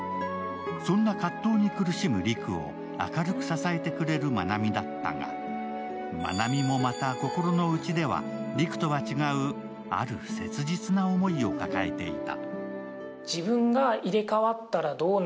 そんな葛藤に苦しむ陸を明るく支えてくれるまなみだったがまなみもまた心のうちでは陸とは違うある切実な思いを抱えていた。